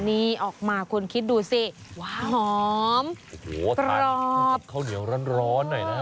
นี่ออกมาคุณคิดดูสิหอมโอ้โหข้าวเหนียวร้อนร้อนหน่อยนะ